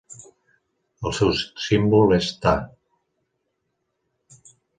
El seu símbol és Ta.